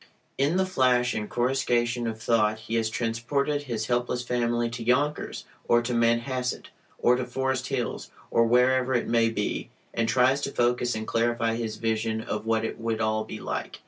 In the flash and coruscation of thought he has transported his helpless family to Yonkers, or to Manhasset, or to Forest Hills, or wherever it may be, and tries to focus and clarify his vision of what it would all be like.